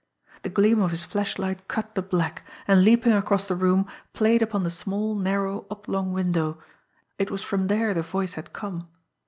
The gleam of his flashlight cut the black, and, leaping across the room, played upon the small, narrow, oblong window it was from there the voice had come.